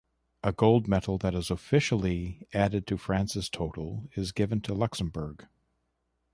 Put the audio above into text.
A gold medal that is officially added to France's total is given to Luxembourg.